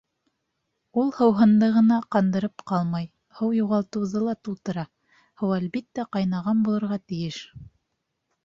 Ул һыуһынды ғына ҡандырып ҡалмай, һыу юғалтыуҙы ла тултыра, һыу, әлбиттә, ҡайнаған булырға тейеш.